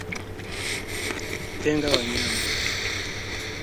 Tenga wanyama